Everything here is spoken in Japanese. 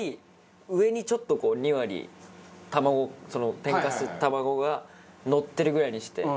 上にちょっとこう２割卵天かす卵がのってるぐらいにして。